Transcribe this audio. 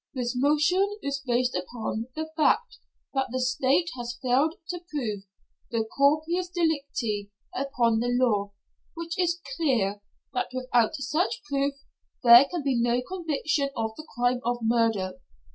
"This motion is based upon the fact that the State has failed to prove the corpus delicti, upon the law, which is clear, that without such proof there can be no conviction of the crime of murder.